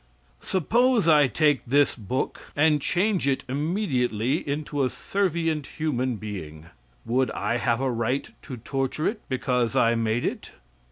Suppose I take this book and change it immediately into a servient human being. Would I have a right to torture it because I made it?